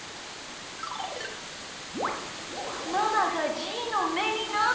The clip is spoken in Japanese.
ママがじーのめになってる！